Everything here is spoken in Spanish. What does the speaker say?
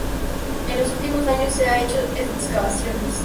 En los últimos años se han hecho excavaciones.